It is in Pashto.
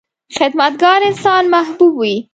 • خدمتګار انسان محبوب وي.